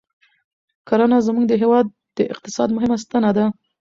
کرنه زموږ د هېواد د اقتصاد مهمه ستنه ده